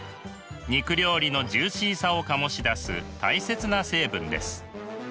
肉料理のジューシーさを醸し出す大切な成分です。